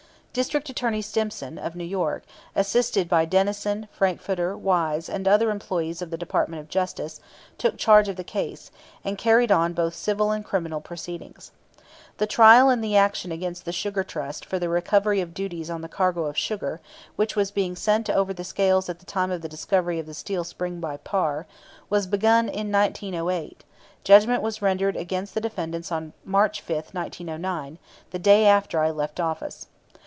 District Attorney Stimson, of New York, assisted by Denison, Frankfurter, Wise, and other employees of the Department of Justice, took charge of the case, and carried on both civil and criminal proceedings. The trial in the action against the Sugar Trust, for the recovery of duties on the cargo of sugar, which was being sent over the scales at the time of the discovery of the steel spring by Parr, was begun in 1908; judgment was rendered against the defendants on March 5, 1909, the day after I left office.